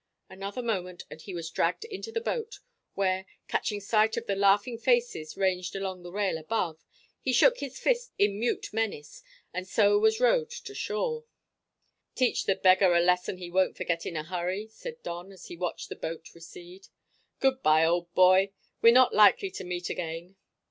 Another moment, and he was dragged into the boat, where, catching sight of the laughing faces ranged along the rail above, he shook his fist in mute menace, and so was rowed to shore. "Teach the beggar a lesson he won't forget in a hurry," said Don, as he watched the boat recede. "Good bye, old boy; we're not likely to meet again."